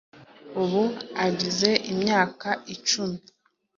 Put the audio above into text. ubu agize imyaka icumi